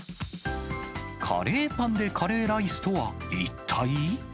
カレーパンでカレーライスとは一体？